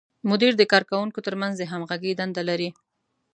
مدیر د کارکوونکو تر منځ د همغږۍ دنده لري.